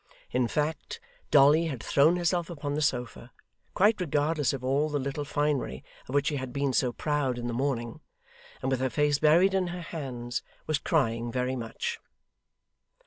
In fact, Dolly had thrown herself upon the sofa, quite regardless of all the little finery of which she had been so proud in the morning, and with her face buried in her hands was crying very much.